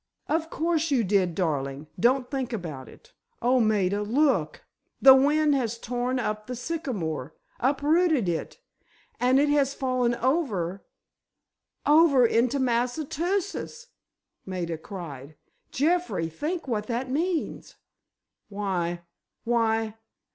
"Of course you did, darling; don't think about it. Oh, Maida, look! The wind has torn up the sycamore! Unrooted it, and it has fallen over——" "Over into Massachusetts!" Maida cried; "Jeffrey, think what that means!" "Why—why!